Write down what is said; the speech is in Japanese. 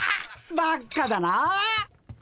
ばっかだなあ。